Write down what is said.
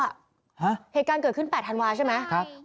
เหตุการณ์เกิดขึ้น๘ธันวาใช่ไหมครับ